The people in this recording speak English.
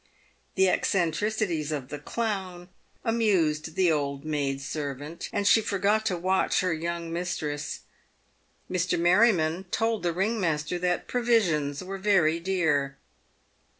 The eccentricities cf the clown amused the old maid servant, and she forgot to watch her young mistress. Mr. Merryman told the ring master that provisions were very dear.